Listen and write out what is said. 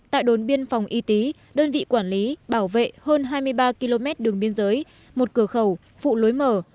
tại đồn biên phòng y tý đơn vị quản lý bảo vệ hơn hai mươi ba km đường biên giới một cửa khẩu phụ lối mở